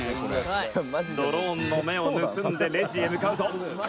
清水：「ドローンの目を盗んでレジへ向かうぞ」